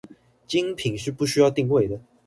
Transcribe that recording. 精品是不需要定位的